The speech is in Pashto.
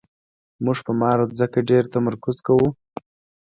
موږ په مار ځکه ډېر تمرکز کوو.